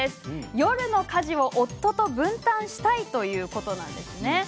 夜の家事を夫と分担したいということです。